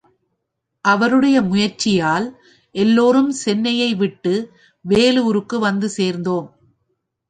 அவருடைய முயற்சியால் எல்லோரும் சென்னையை விட்டு வேலூருக்கு வந்து சேர்ந்தோம்.